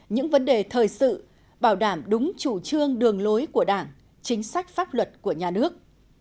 những vấn đề thời sự bảo đảm đúng chủ trương đường lối của đảng chính sách pháp luật của nhà nước